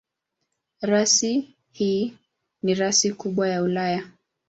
Rasi hii ni rasi kubwa ya Ulaya.